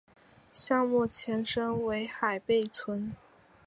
项目前身为海坝村。